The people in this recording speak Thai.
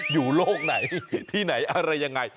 อยู่โลกไหนที่ไหนอะไรยังไง